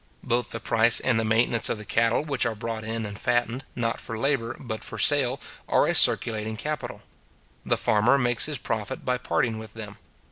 Both the price and the maintenance of the cattle which are bought in and fattened, not for labour, but for sale, are a circulating capital. The farmer makes his profit by parting with them.